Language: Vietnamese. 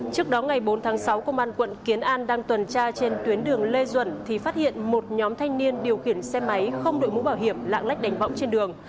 trước đó ngày bốn tháng sáu công an quận kiến an đang tuần tra trên tuyến đường lê duẩn thì phát hiện một nhóm thanh niên điều khiển xe máy không đội mũ bảo hiểm lạng lách đánh võng trên đường